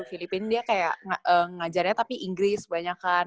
filipina dia kayak ngajarnya tapi inggris banyak kan